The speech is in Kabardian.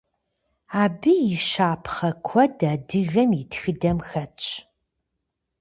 Абы и щапхъэ куэд адыгэм и тхыдэм хэтщ.